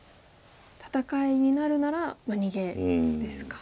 戦いになるなら逃げですか。